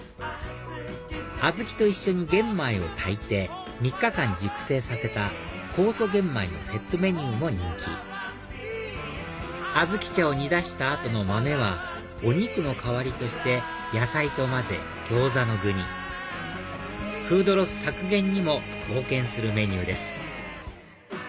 アズキと一緒に玄米を炊いて３日間熟成させた酵素玄米のセットメニューも人気あずき茶を煮出した後の豆はお肉の代わりとして野菜と混ぜ餃子の具にフードロス削減にも貢献するメニューです